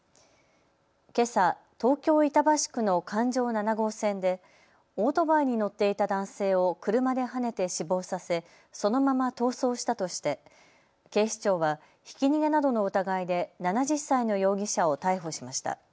けさ東京板橋区の環状７号線でオートバイに乗っていた男性を車ではねて死亡させそのまま逃走したとして警視庁はひき逃げなどの疑いで７０歳の容疑者を逮捕しました。